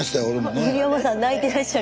森山さん泣いてらっしゃる。